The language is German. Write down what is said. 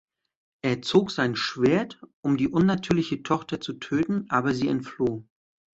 Er zog sein Schwert, um die unnatürliche Tochter zu töten, aber sie entfloh.